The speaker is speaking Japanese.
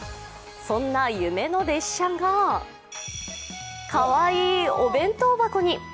そんな夢の列車が、かわいいお弁当箱に。